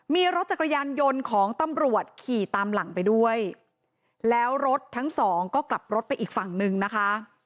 มีรถจักรยานยนต์ของตำรวจขี่ตามหลังไปด้วยแล้วรถทั้งสองก็กลับรถไปอีกฝั่งนึงนะคะ